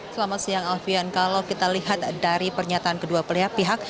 selamat siang alfian kalau kita lihat dari pernyataan kedua pihak